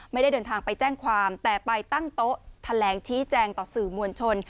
ไม่ได้เดินทางไปแจ้งความแต่ไปตั้งโต๊ะแถลงชี้แจงต่อสื่อมวลชน